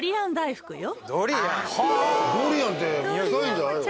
ドリアンって臭いんじゃないの？